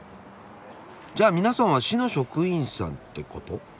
じゃあ皆さんは市の職員さんってこと？